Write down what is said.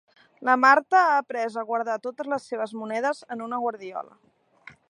La Marta ha après a guardar totes les seves monedes en una guardiola